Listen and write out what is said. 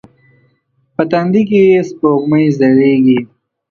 په تندې کې یې سپوږمۍ ځلیږې